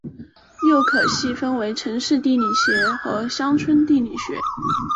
又可细分为城市地理学和乡村地理学。